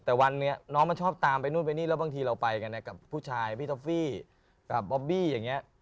แต่วันนี้น้องมันชอบตามไปนู่นไปนี่แล้วบางทีเราไปกันกับผู้ชายพี่ท็อฟฟี่กับบอบบี้อย่างนี้